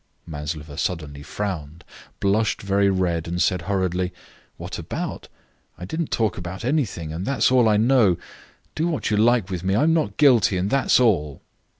Maslova suddenly frowned, blushed very red, and said, hurriedly, "What about? I did not talk about anything, and that's all I know. Do what you like with me; I am not guilty, and that's all."